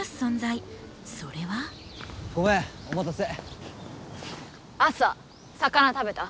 ごめんお待たせ。